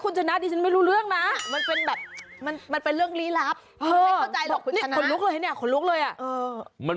แล้วผมไปได้มั้ย